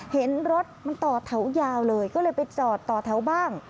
เห็นรถมันต่อแถวยาวเลยก็เลยไปจอดต่อแถวบ้าง